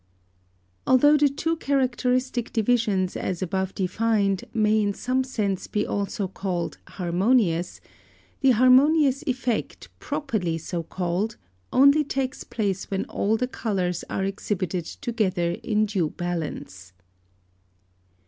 Although the two characteristic divisions as above defined may in some sense be also called harmonious, the harmonious effect, properly so called, only takes place when all the colours are exhibited together in due balance.